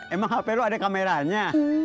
emang hp loh ada kameranya